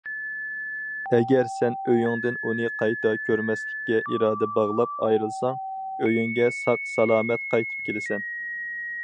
ئەگەر سەن ئۆيۈڭدىن ئۇنى قايتا كۆرمەسلىككە ئىرادە باغلاپ ئايرىلساڭ، ئۆيۈڭگە ساق- سالامەت قايتىپ كېلىسەن.